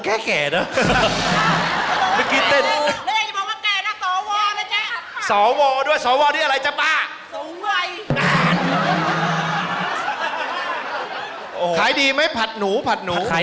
คุณเห็นอย่างงี้นะครับอาชีพก็คือผัดหนูขาย